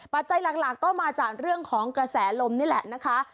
ปัจจัยหลักก็มาจากเรื่องของกระแสลมนี่แหละนะคะ